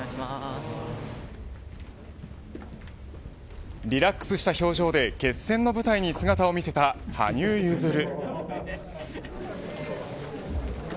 午後５時５５分リラックスした表情で決戦の舞台に姿を見せた羽生結弦。